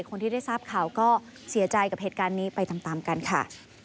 คนที่ได้ทราบข่าวก็เสียใจกับเหตุการณ์นี้ไปตามกันค่ะ